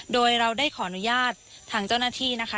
โดยเราได้ขออนุญาตทางเจ้าหน้าที่นะคะ